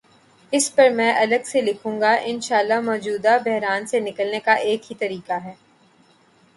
اس پرمیں الگ سے لکھوں گا، انشا اللہ مو جودہ بحران سے نکلنے کا ایک ہی طریقہ ہے۔